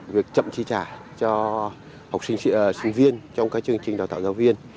việc chậm chi trả cho học sinh sinh viên trong các chương trình đào tạo giáo viên